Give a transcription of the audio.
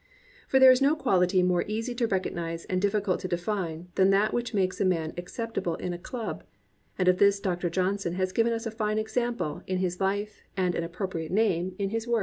For there is no quality more easy to recognize and diflScult to define than that which makes a man acceptable in a club; and of this Dr. Johnson has given us a fine example in his life and an appropriate name in his word.